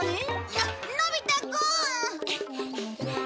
ののび太くん！